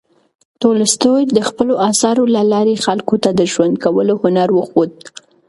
تولستوی د خپلو اثارو له لارې خلکو ته د ژوند کولو هنر وښود.